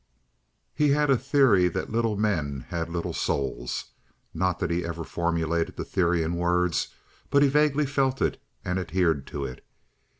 He had a theory that little men had little souls. Not that he ever formulated the theory in words, but he vaguely felt it and adhered to it.